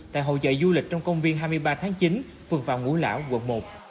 tại hội dạy du lịch trong công viên hai mươi ba tháng chín phường phạm ngũ lão quận một